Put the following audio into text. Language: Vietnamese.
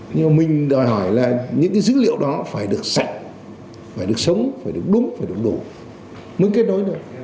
nhưng mà mình đòi hỏi là những cái dữ liệu đó phải được sạch phải được sống phải được đúng phải được đủ mới kết nối được